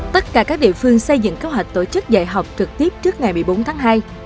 tất cả các địa phương xây dựng kế hoạch tổ chức dạy học trực tiếp trước ngày một mươi bốn tháng hai